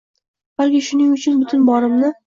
Balki shuning uchun butun borimni